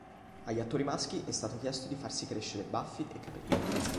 Agli attori maschi è stato chiesto di farsi crescere baffi e capelli.